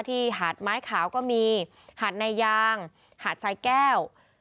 หาดไม้ขาวก็มีหาดนายางหาดสายแก้ว